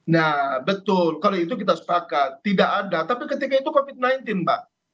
nah betul kalau itu kita sepakat tidak ada tapi ketika itu covid sembilan belas pak